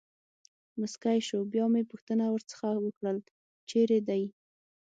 مسکی شو، بیا مې پوښتنه ورڅخه وکړل: چېرې دی.